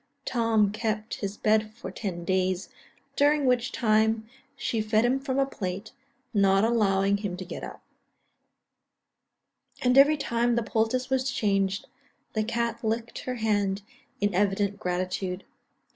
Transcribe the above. Tom kept his bed for ten days, during which time, she fed him from a plate, not allowing him to get up; and every time the poultice was changed, the cat licked her hand in evident gratitude.